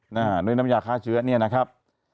เนื้อน้ำยาค้าเชื้อนี่นะครับ